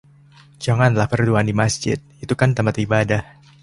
Janganlah berduaan di Masjid, itu kan tempat ibadah..